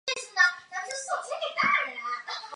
螯埃齿螯蛛为球蛛科齿螯蛛属的动物。